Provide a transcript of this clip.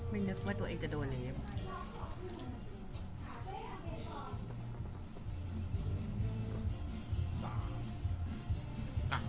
นึกว่าตัวเองจะโดนอะไรอย่างนี้